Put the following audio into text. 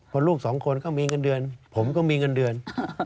เพราะลูกสองคนก็มีเงินเดือนผมก็มีเงินเดือน